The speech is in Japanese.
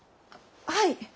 はい！